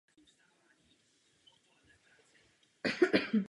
Nová historie obce se začala psát až po administrativním oddělení od města Prešov.